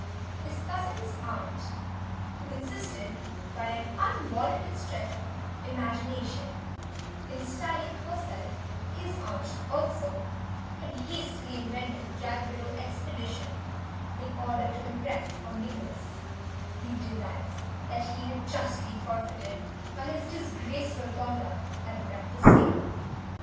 His cousins' aunt, who insisted, by an unwarranted stretch of imagination, in styling herself his aunt also, had hastily invented the Jagborough expedition in order to impress on Nicholas the delights that he had justly forfeited by his disgraceful conduct at the breakfast table.